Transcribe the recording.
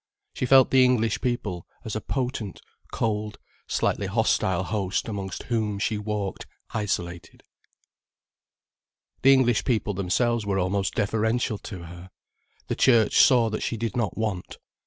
She felt the English people as a potent, cold, slightly hostile host amongst whom she walked isolated. The English people themselves were almost deferential to her, the Church saw that she did not want.